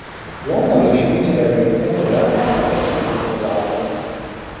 L'uomo riesce a vincere le resistenze della ragazza che accetta di sposarlo.